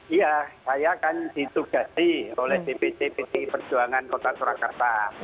iya saya kan ditugasi oleh dpc pdi perjuangan kota surakarta